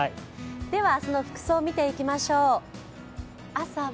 では、明日の服装を見ていきましょう。